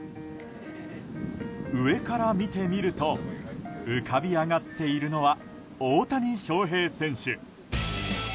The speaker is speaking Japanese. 上から見てみると浮かび上がっているのは大谷翔平選手。